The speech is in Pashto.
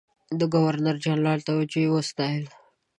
د ګورنرجنرال توجه یې وستایل.